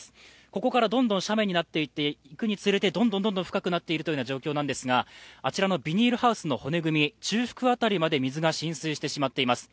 ここからどんどん斜面になっていくにつれて、どんどん深くなっているという状況ですが、あちらのビニールハウスの骨組み、中腹辺りまで水が浸水してしまっています。